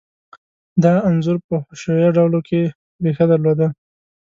دا انځور په حشویه ډلو کې ریښه درلوده.